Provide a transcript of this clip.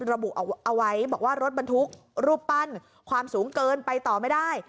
ระบุเอาไว้บอกว่ารถบรรทุกรูปปั้นความสูงเกินไปต่อไม่ได้